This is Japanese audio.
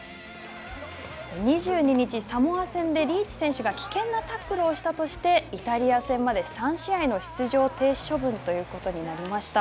２２日、サモア戦でリーチ選手が危険なタックルをしたとして、イタリア戦まで出場停止処分ということになりました。